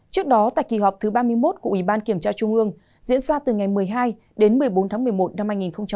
trước đó tại kỳ họp thứ ba mươi một của ủy ban kiểm tra trung ương diễn ra từ ngày một mươi hai đến một mươi bốn tháng một mươi một năm hai nghìn hai mươi